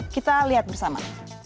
kita lihat bersama